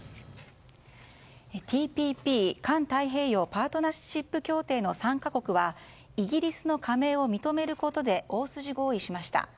ＴＰＰ・環太平洋パートナーシップ協定の参加国はイギリスの加盟を認めることで大筋合意しました。